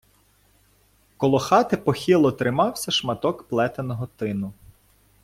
Коло хати похило тримався шматок плетеного тину.